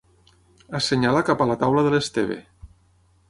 Assenyala cap a la taula de l'Esteve.